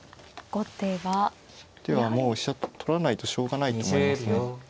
後手はもう飛車取らないとしょうがないと思いますね。